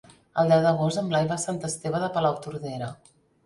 El deu d'agost en Blai va a Sant Esteve de Palautordera.